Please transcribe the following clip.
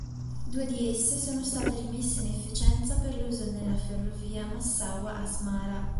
Due di esse sono state rimesse in efficienza per l'uso nella Ferrovia Massaua-Asmara.